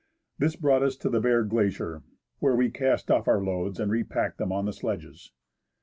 This brought us to the bare glacier, where we cast off our loads and repacked them on the sledges.